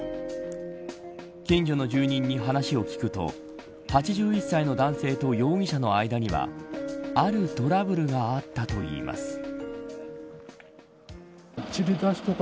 近所の住人に話を聞くと８１歳の男性と容疑者の間にはあるトラブルがあったといいます。